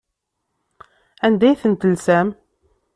Anda ay ten-telsam?